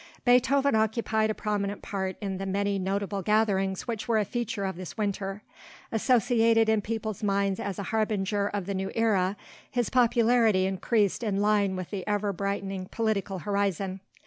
Beethoven occupied a prominent part in the many notable gatherings which were a feature of this winter. Associated in people's minds as a harbinger of the new era, his popularity increased in line with the ever brightening political horizon.